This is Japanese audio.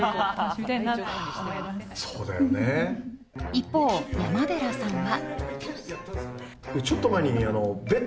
一方、山寺さんは。